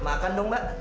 makan dong mbak